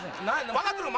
分かっとる？